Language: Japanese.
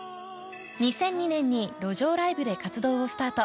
２００２年に路上ライブで活躍をスタート。